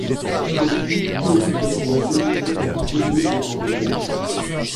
Aussi Healey se retrouva sélectionné comme ailier pour l'Angleterre.